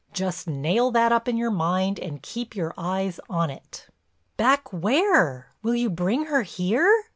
Just nail that up in your mind and keep your eyes on it." "Back where? Will you bring her here?"